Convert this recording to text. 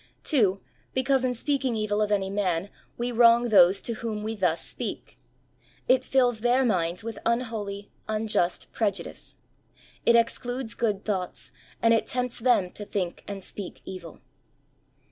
2. Because in speaking evil of any man we wrong those to whom we thus speak. It fills their minds with unholy, unjust prejudice. It excludes good thoughts, and it tempts them to think and speak evil.